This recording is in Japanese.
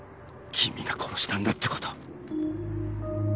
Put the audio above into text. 君が殺したんだって事。